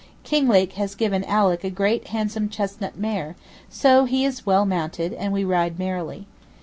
Kinglake has given Alick a great handsome chestnut mare, so he is well mounted, and we ride merrily.